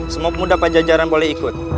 semua pemuda pajajaran boleh ikut